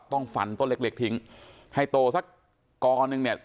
ต้องฟันต้นเล็กเล็กทิ้งให้โตสักกอนึงเนี่ย